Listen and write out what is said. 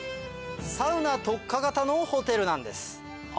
サウナ特化型のホテルなんです。